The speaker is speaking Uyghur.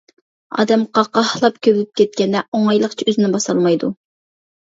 ئادەم قاقاھلاپ كۈلۈپ كەتكەندە ئوڭايلىقچە ئۆزىنى باسالمايدۇ.